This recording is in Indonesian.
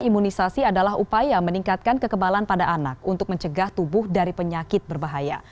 imunisasi adalah upaya meningkatkan kekebalan pada anak untuk mencegah tubuh dari penyakit berbahaya